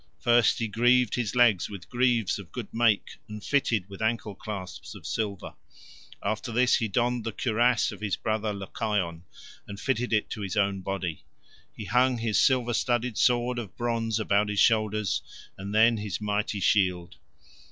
First he greaved his legs with greaves of good make and fitted with ancle clasps of silver; after this he donned the cuirass of his brother Lycaon, and fitted it to his own body; he hung his silver studded sword of bronze about his shoulders, and then his mighty shield.